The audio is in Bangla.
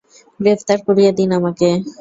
গ্রেফতার করিয়ে দিন আমাকে।